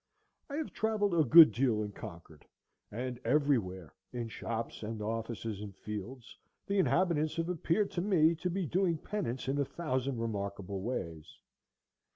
I have travelled a good deal in Concord; and everywhere, in shops, and offices, and fields, the inhabitants have appeared to me to be doing penance in a thousand remarkable ways.